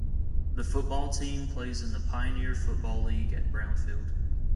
The football team plays in the Pioneer Football League at Brown Field.